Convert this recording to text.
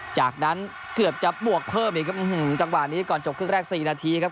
จากนั้นเกือบจะบวกเพิ่มอีกครับจังหวะนี้ก่อนจบครึ่งแรก๔นาทีครับ